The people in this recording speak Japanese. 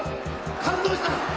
感動した！